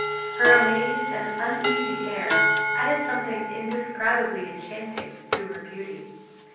Her amazed and uneasy air added something indescribably enchanting to her beauty.